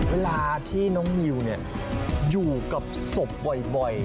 เวลาที่น้องนิวอยู่กับศพบ่อย